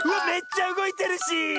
めっちゃうごいてるし！